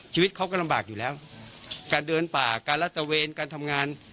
ชีวิตเขาก็ลำบากอยู่แล้วการเดินป่าการรัฐตะเวนการทำงาน